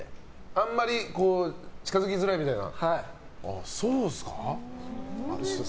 あんまり近づきづらいみたいな？